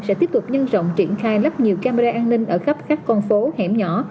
sẽ tiếp tục nhân rộng triển khai lắp nhiều camera an ninh ở khắp các con phố hẻm nhỏ